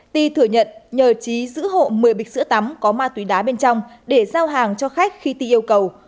ti thừa nhận nhờ trí giữ hộ một mươi bịch sữa tắm có ma túy đá bên trong để giao hàng cho khách khi ti yêu cầu